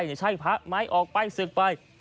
อย่าใช่พระไม้ออกไปสึกไป